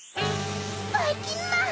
・ばいきんまん！